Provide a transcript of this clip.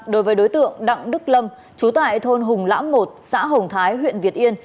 đối với đối tượng đặng đức lâm chú tại thôn hùng lãm một xã hồng thái huyện việt yên